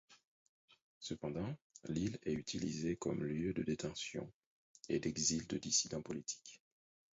Cependant, l'île est utilisée comme lieu de détention et d'exil de dissidents politiques.